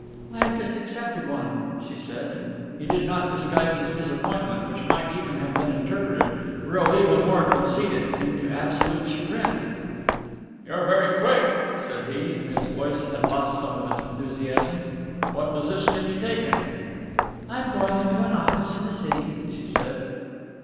"I have just accepted one," she said, and he did not disguise his disappointment, which might even have been interpreted, were Oliva more conceited, into absolute chagrin. "You are very quick," said he, and his voice had lost some of its enthusiasm. "What position have you taken?" "I am going into an office in the city," she said.